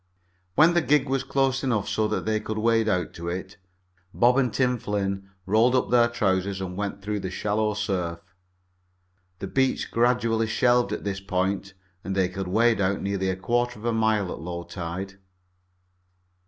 When the gig was close enough so that they could wade out to it, Bob and Tim Flynn rolled up their trousers and went through the shallow surf. The beach gradually shelved at this point and they could wade out nearly a quarter of a mile at low tide.